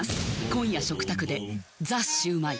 今夜食卓で「ザ★シュウマイ」